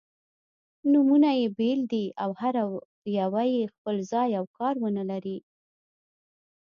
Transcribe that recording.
نومونه يې بېل دي او هره یوه یې خپل ځای او کار-ونه لري.